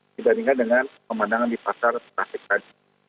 dibandingkan dengan pemandangan di pasar stasiun